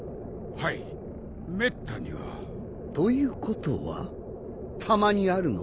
はいめったには。ということはたまにあるのですね？